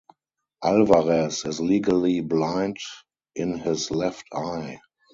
Alvarez is legally blind in his left eye.